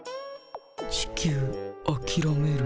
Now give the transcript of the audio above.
地球あきらめる？